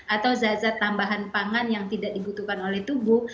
atau zat zat tambahan pangan yang tidak dibutuhkan oleh tubuh